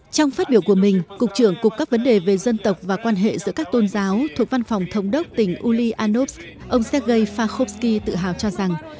trong phát biểu của mình cục trưởng cục các vấn đề về dân tộc và quan hệ giữa các tôn giáo thuộc văn phòng thống đốc tỉnh ulyanovs ông sergei fakhovsky tự hào cho rằng